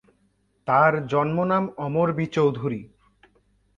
তার জন্মনাম অমর বি চৌধুরী।